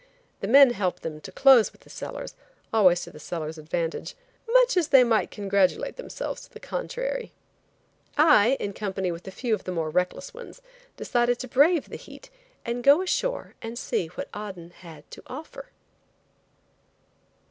The men helped them to close with the sellers always to the sellers' advantage, much as they might congratulate themselves to the contrary. I, in company with a few of the more reckless ones, decided to brave the heat and go ashore and see what Aden had to offer.